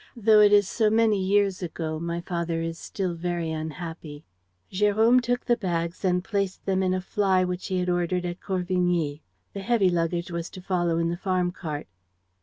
Though it is so many years ago, my father is still very unhappy." Jérôme took the bags and placed them in a fly which he had ordered at Corvigny. The heavy luggage was to follow in the farm cart.